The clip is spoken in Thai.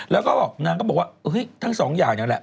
แล้วก็นางก็บอกว่าเอ้ยทั้ง๒อย่างนี้แหละ